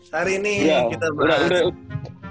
hari ini kita berhasil